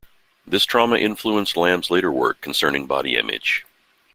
This trauma influenced Lamm's later work concerning body image.